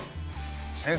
先生